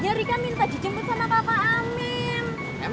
ntar kamu capek amin juga capek